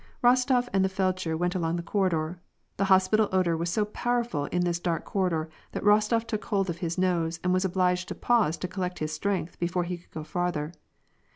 Bostof and the feldsher went along the corridor. The hos pital odor was so powerful in this dark corridor that Bostof took hold of his nose, and was obliged to pause to collect his strength before he could go farther.